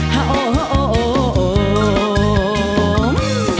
ฮะโอ้ฮะโอ้ม